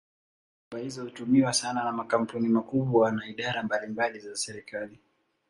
Namba hizo hutumiwa sana na makampuni makubwa na idara mbalimbali za serikali.